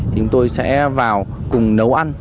thì chúng tôi sẽ vào cùng nấu ăn